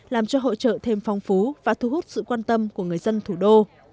làm cho hội trợ thêm phong phú và thu hút sự quan tâm của người dân thủ đô